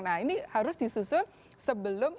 nah ini harus disusun sebelum